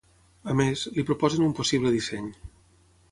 A més, li proposen un possible disseny.